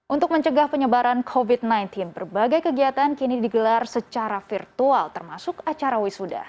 untuk mencegah penyebaran covid sembilan belas berbagai kegiatan kini digelar secara virtual termasuk acara wisuda